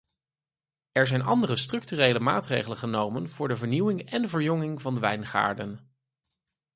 Er zijn andere structurele maatregelen genomen voor de vernieuwing en verjonging van de wijngaarden.